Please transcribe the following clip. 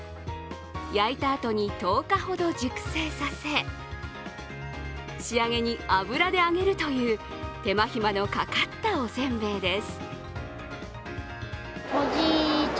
焼いたあとに１０日ほど熟成させ、仕上げに油で揚げるという手間暇のかかったおせんべいです。